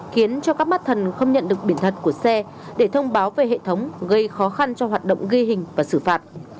khiến cho các mắt thần không nhận được biển thật của xe để thông báo về hệ thống gây khó khăn cho hoạt động ghi hình và xử phạt